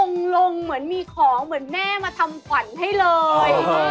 ลงเหมือนมีของเหมือนแม่มาทำขวัญให้เลย